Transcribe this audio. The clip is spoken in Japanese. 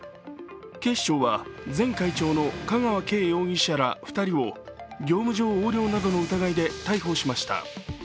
警視庁は前会長の香川敬容疑者ら２人を業務上横領などの疑いで逮捕しました。